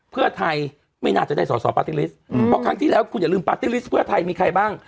เพื่อไทยไม่น่าจะได้ส่อปาร์ตี้ลิสเพื่อไทยมีใครบ้าง